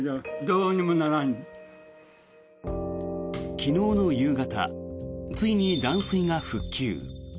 昨日の夕方ついに断水が復旧。